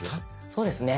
そうですね。